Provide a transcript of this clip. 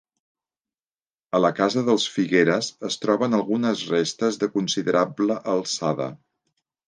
A la casa dels Figueres es troben algunes restes de considerable alçada.